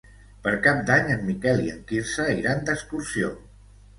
Per Cap d'Any en Miquel i en Quirze iran d'excursió.